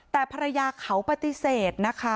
แต่ภรรยาเขาปฏิเสธนะคะ